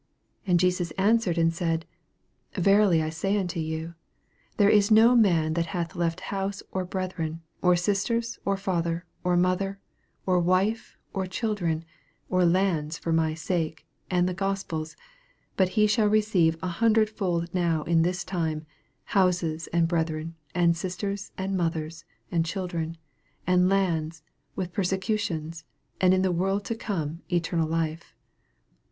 29 And Jesus answered and said, Verily I say unto you, There is no man that hath left house, or brethren, or sisters, or father, or mother, or wife, or children, or lands for my sake, and the Gospel's, 30 But he shall receive an hundred fold now in this time, houses, and brethren, and sisters, and mothers, and children, and lands, with perse cutions; and in the world to come eternal life.